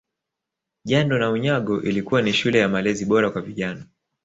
Jando na Unyago ilikuwa ni shule ya malezi bora kwa vijana